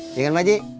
iya kan pak ji